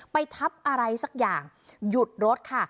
ไปทับอะไรสักอย่างหยุดรถค่ะ